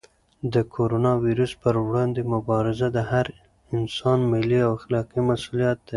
د کرونا وېروس پر وړاندې مبارزه د هر انسان ملي او اخلاقي مسؤلیت دی.